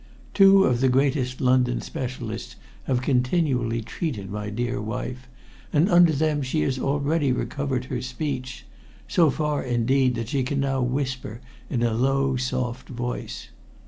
Two of the greatest London specialists have continually treated my dear wife, and under them she has already recovered her speech so far, indeed, that she can now whisper in a low, soft voice.